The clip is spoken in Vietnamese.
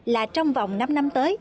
là trong vòng năm năm tới